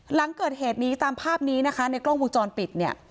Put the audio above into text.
หลังเกิดเหตุนี้ตามภาพนี้นะคะในกล้องวงจรปิดเนี่ย